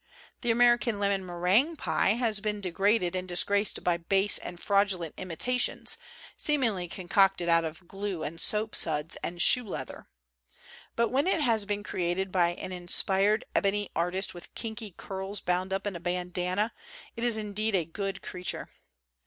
The American lemon meringue pie has been degraded and dis graced by base and fraudulent imitations, seem ingly concocted out of glue and soapsuds and shoe leather; but when it has b< ated by an inspired ebony artist with kinky curls bound up in a bandanna, it is indeed a good 195 COSMOPOLITAN COOKERY creature.